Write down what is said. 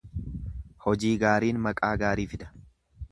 Hojii gaariin maqaa gaarii fida.